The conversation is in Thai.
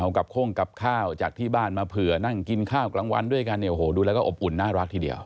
กับโค้งกับข้าวจากที่บ้านมาเผื่อนั่งกินข้าวกลางวันด้วยกันเนี่ยโอ้โหดูแล้วก็อบอุ่นน่ารักทีเดียว